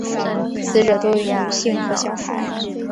死者多为女性和小孩。